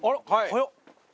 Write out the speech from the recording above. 早っ！